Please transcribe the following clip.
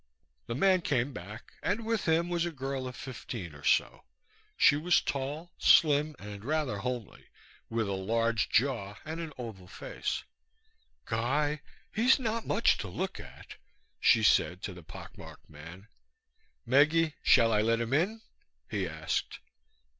The man came back and with him was a girl of fifteen or so. She was tall, slim and rather homely, with a large jaw and an oval face. "Guy, he's not much to look at," she said to the pockmarked man. "Meggie, shall I let him in?" he asked.